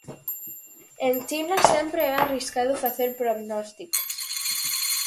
En China sempre é arriscado facer prognósticos.